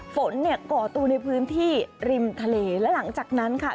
ฝนเนี่ยก่อตัวในพื้นที่ริมทะเลและหลังจากนั้นค่ะ